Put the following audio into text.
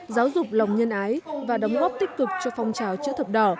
giáo dục lòng nhân ái và đóng góp tích cực cho phong trào chữ thập đỏ